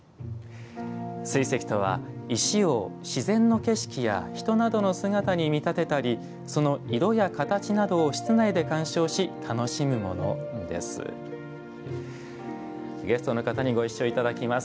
水石とは、石を自然の景色や人などの姿に見立てたりその色や形などを室内で観賞し楽しむものです。